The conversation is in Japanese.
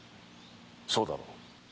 そうだろ？